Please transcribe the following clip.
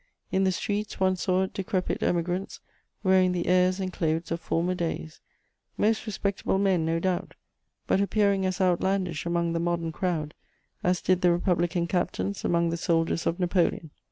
In the streets, one saw decrepit Emigrants wearing the airs and clothes of former days, most respectable men no doubt, but appearing as outlandish among the modern crowd as did the Republican captains among the soldiers of Napoleon.